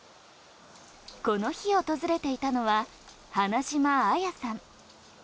この日、訪れていたのは花島愛弥さん。